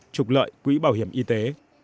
trục lợi quỹ bảo hiểm y tế